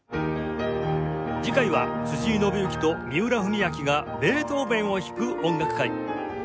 次回は辻井伸行と三浦文彰がベートーヴェンを弾く音楽会